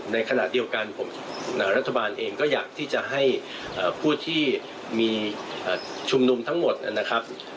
ในขณะเดียวกันรัฐบาลเองก็อยากที่จะให้ผู้ที่มีชุมนุมทั้งหมดนะครับ